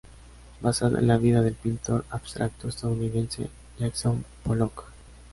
Basada en la vida del pintor abstracto estadounidense Jackson Pollock.